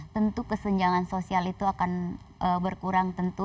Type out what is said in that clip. tentu kesenjangan sosial itu akan berkurang tentu